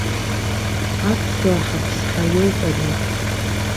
Аԥсуаа ҳаԥсҳа иоуп ари!